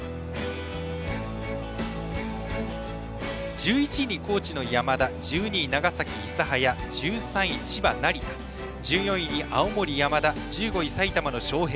１１位に高知の山田１２位、長崎・諫早１３位、千葉・成田１４位に青森山田１５位、埼玉の昌平